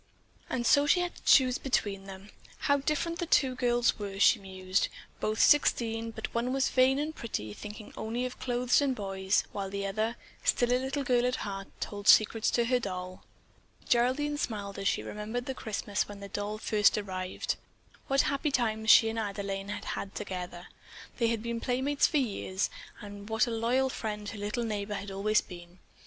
And so she had to choose between them. How different the two girls were, she mused. Both sixteen, but one was vain and pretty, thinking only of clothes and boys, while the other, still a little girl at heart, told secrets to her doll. Geraldine smiled as she remembered the Christmas when that doll had first arrived. What happy times she and Adelaine had had together. They had been playmates for years, and what a loyal friend her little neighbor had always been.